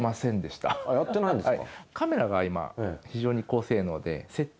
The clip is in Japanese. あっやってないんですか？